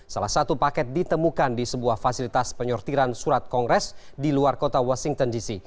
salah satu paket ditemukan di sebuah fasilitas penyortiran surat kongres di luar kota washington dc